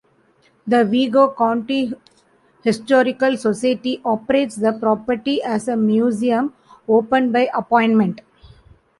The Vigo County Historical Society operates the property as a museum, open by appointment.